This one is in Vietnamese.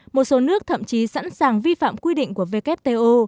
một số nước thậm chí sẵn sàng vi phạm quy định của wto